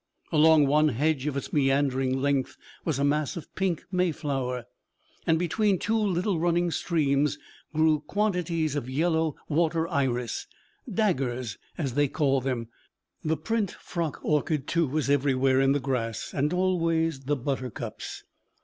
Along one hedge of its meandering length was a mass of pink mayflower; and between two little running streams grew quantities of yellow water iris 'daggers,' as they call them; the 'print frock' orchid, too, was everywhere in the grass, and always the buttercups.